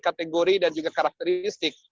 kategori dan juga karakteristik